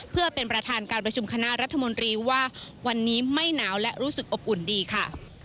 เพื่อเป็นประธานการประชุมคณะรัฐมนตรีว่าวันนี้ไม่หนาวและรู้สึกอบอุ่นดีค่ะ